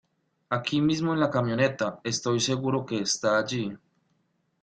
Aquí mismo en la camioneta. Estoy seguro que está allí .